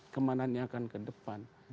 kemana mana akan ke depan